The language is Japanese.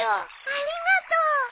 ありがとう。